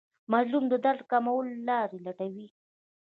مظلوم د درد کمولو لارې لټوي.